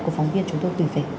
của phóng viên chúng tôi